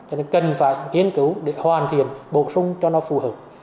cho nên cần phải nghiên cứu để hoàn thiện bổ sung cho nó phù hợp